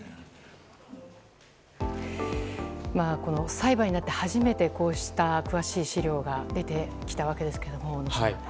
裁判になって初めてこうした詳しい資料が出てきたわけですけども小野さん。